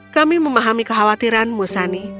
kami memahami kekhawatiranmu sunny